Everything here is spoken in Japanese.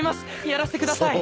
やらせてください！